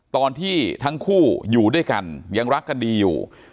ตอนที่ทั้งคู่อยู่ด้วยกันยังรักกันดีอยู่